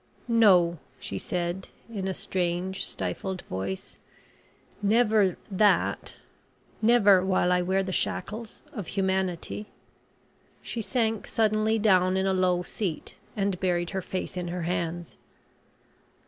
"No," she said, in a strange stifled voice, "never that never while I wear the shackles of humanity!" She sank suddenly down in a low seat, and buried her face in her hands.